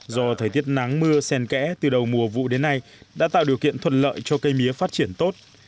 do thời tiết nắng mưa sen kẽ từ đầu mùa vụ đến nay đã tạo điều kiện thuận lợi cho cây mía phát triển tốt